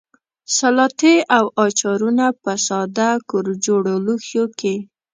سلاتې او اچارونه په ساده کورجوړو لوښیو کې.